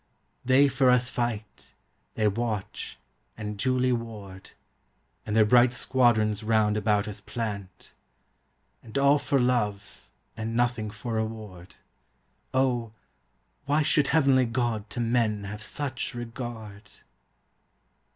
They for us fight, they watch, and dewly ward, And their bright squadrons round about us plant; And all for love, and nothing for reward; O, why should heavenly God to men have such regard!